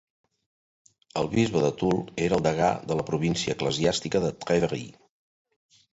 El bisbe de Toul era el degà de la província eclesiàstica de Trèveris.